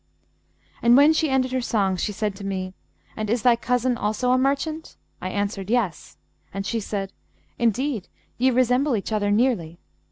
And when she ended her song she said to me, 'And is thy cousin also a merchant?' I answered, 'Yes,' and she said, 'Indeed, ye resemble each other nearly.'